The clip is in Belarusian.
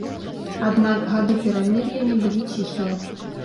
Аднак гады перамір'я не былі ціхія.